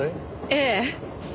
ええ。